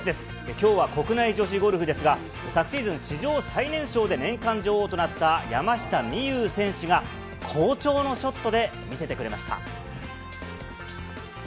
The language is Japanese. きょうは国内女子ゴルフですが、昨シーズン、史上最年少で年間女王となった山下美夢有選手が、好調のショットで見せてくれました。